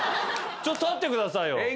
ちょっと立ってくださいよ。